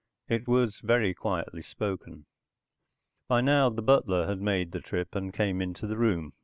It was very quietly spoken. By now the butler had made the trip, and came into the room.